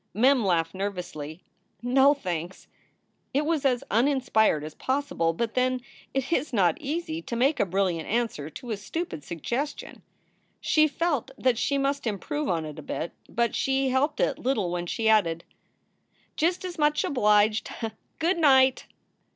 Mem laughed nervously. "No, thanks!" It was as uninspired as possible, but then it is not easy to make a brilliant answer to a stupid sugges tion. She felt that she must improve on it a bit, but she helped it little when she added: "Just as much obliged. Goodnight!"